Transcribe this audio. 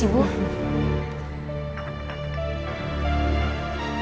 bikin masukkan kamu dan saya